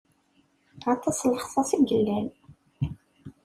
Aṭas n lexṣaṣ i yellan.